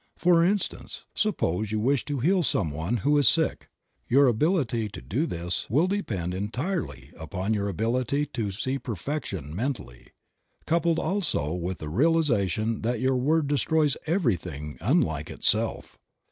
For instance, suppose you wish to heal some one who is sick; your ability to do this will depend entirely upon your ability to see perfection mentally, coupled also with the realization that your word destroys everything unlike itself.